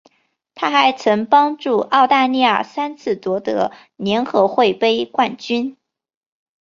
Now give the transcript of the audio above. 她还曾帮助澳大利亚三次夺得联合会杯冠军。